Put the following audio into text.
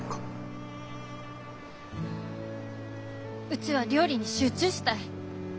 うちは料理に集中したい。